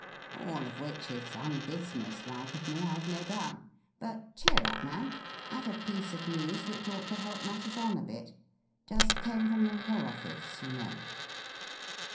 All of which is unbusinesslike of me, I've no doubt. But, cheer up, man, I've a piece of news which ought to help matters on a bit. Just came from the War Office, you know."